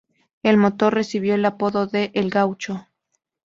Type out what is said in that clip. El motor recibió el apodo de "El Gaucho".